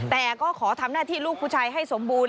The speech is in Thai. แต่ก็ขอทำหน้าที่ลูกผู้ชายให้สมบูรณ